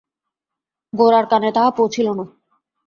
গোরার কানে তাহা পৌঁছিল না।